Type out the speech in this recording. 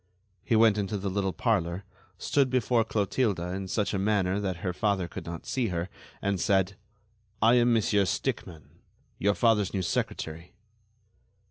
He went into the little parlor, stood before Clotilde in such a manner that her father could not see her, and said: "I am Monsieur Stickmann, your father's new secretary."